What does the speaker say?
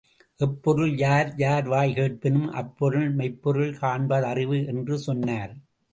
எப்பொருள் யார்யார்வாய்க் கேட்பினும் அப்பொருள் மெய்ப்பொருள் காண்ப தறிவு என்று சொன்னார்.